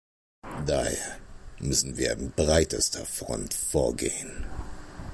Daher müssen wir in breitester Front vorgehen.